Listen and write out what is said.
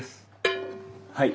はい。